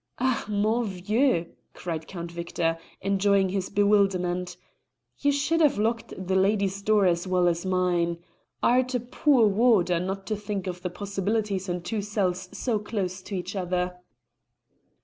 "Ah, mon vieux!" cried Count Victor, enjoying his bewilderment. "You should have locked the lady's door as well as mine. 'Art a poor warder not to think of the possibilities in two cells so close to each other."